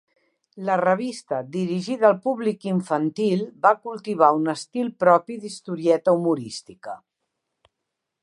La revista, dirigida al públic infantil, va cultivar un estil propi d'historieta humorística.